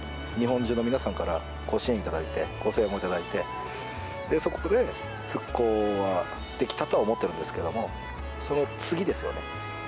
日本中の皆さんからご支援いただいて、ご声援も頂いて、そこで復興はできたとは思ってるんですけれども、その次ですよね。